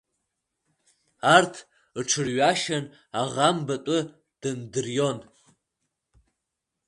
Арҭ рҽырҩашьан, аӷа мбатәы дандырион.